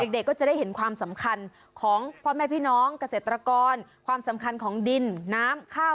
เด็กก็จะได้เห็นความสำคัญของพ่อแม่พี่น้องเกษตรกรความสำคัญของดินน้ำข้าว